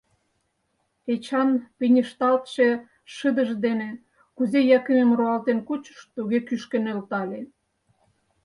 Эчан пинешталтше шыдыж дене кузе Якимым руалтен кучыш, туге кӱшкӧ нӧлтале.